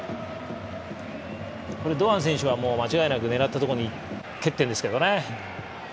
堂安選手は間違いなく狙ったとこに蹴っているんですけどね。